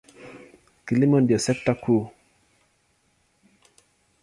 Kilimo ndiyo sekta kuu.